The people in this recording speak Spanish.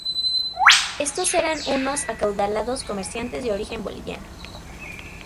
Estos eran unos acaudalados comerciantes de origen boliviano.